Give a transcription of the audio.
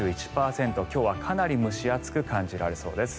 今日はかなり蒸し暑く感じられそうです。